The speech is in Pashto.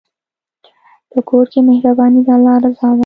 په کور کې مهرباني د الله رضا ده.